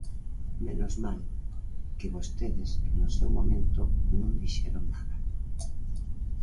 ¡Menos mal que vostedes no seu momento non dixeron nada!